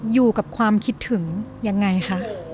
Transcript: อยู่กับความคิดถึงยังไงคะ